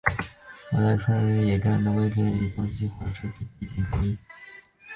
现在春日野站的位置在多摩线计画时便是设站地点之一。